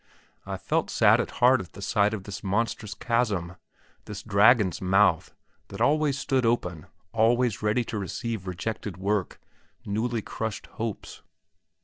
I felt sad at heart at the sight of this monstrous chasm, this dragon's mouth, that always stood open, always ready to receive rejected work, newly crushed hopes.